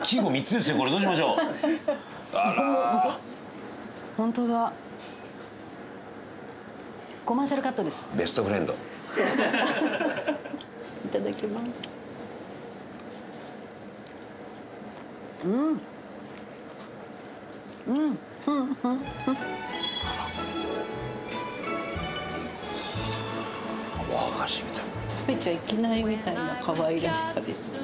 食べちゃいけないみたいなかわいらしさですね。